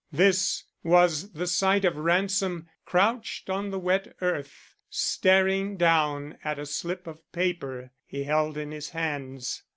This was the sight of Ransom crouched on the wet earth, staring down at a slip of paper he held in his hands.